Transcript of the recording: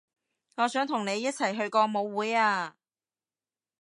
我想同你一齊去個舞會啊